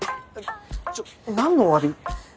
ちょっ何のおわび？